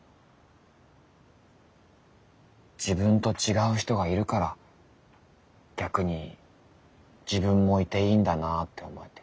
自分と違う人がいるから逆に自分もいていいんだなって思えて。